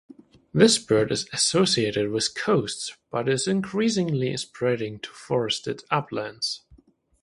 This bird is associated with coasts, but is increasingly spreading to forested uplands.